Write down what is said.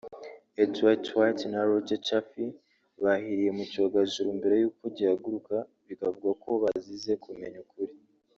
Edward White na Roger Chaffee bahiriye mu cyogajuru mbere y'uko gihaguruka bikavugwa ko bazize kumenya ukuri